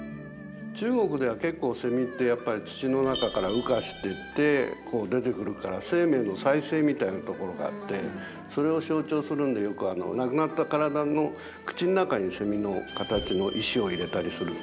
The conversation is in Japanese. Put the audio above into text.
中国では結構セミってやっぱり土の中から羽化してってこう出てくるから生命の再生みたいなところがあってそれを象徴するんでよく亡くなった体の口の中にセミの形の石を入れたりするっていいますよね。